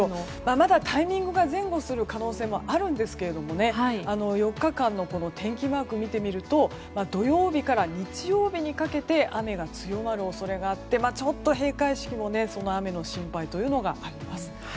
まだタイミングが前後する可能性はあるんですけれども４日間の天気マークを見てみると土曜日から日曜日にかけて雨が強まる恐れがあってちょっと閉会式も、その雨の心配というのがあります。